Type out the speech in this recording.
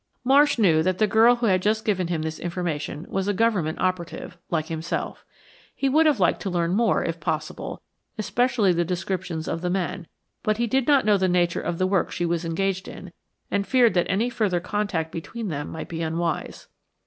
Marsh knew that the girl who had just given him this information was a Government operative, like himself. He would have liked to learn more, if possible, especially descriptions of the men, but he did not know the nature of the work she was engaged in, and feared that any further contact between them might be unwise.